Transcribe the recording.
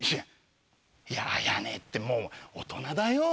いや綾音ってもう大人だよ？